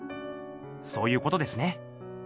そういうことですね。